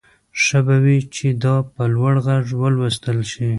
ښه به وي چې دا په لوړ غږ ولوستل شي